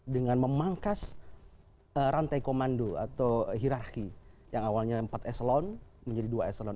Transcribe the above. dengan memangkas rantai komando atau hirarki yang awalnya empat eselon menjadi dua eselon